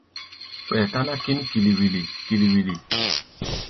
Ɓɛɛ táná kín kili-wili kili-wili.